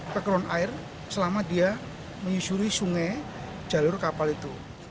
background air selama dia menyusuri sungai jalur kapal itu